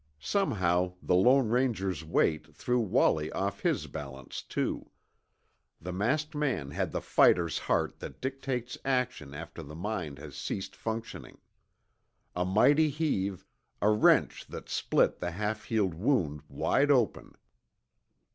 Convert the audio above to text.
Somehow the Lone Ranger's weight threw Wallie off his balance too. The masked man had the fighter's heart that dictates action after the mind has ceased functioning. A mighty heave a wrench that split the half healed wound wide open.